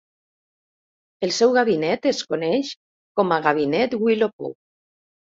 El seu gabinet es coneix com a Gabinet Wilopo.